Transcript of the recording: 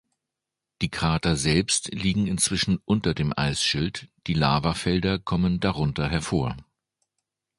Die Krater selbst liegen inzwischen unter dem Eisschild, die Lavafelder kommen darunter hervor.